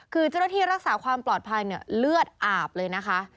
คือเจ้าหน้าที่รักษาความปลอดภัยเนี่ยเลือดอาบเลยนะคะ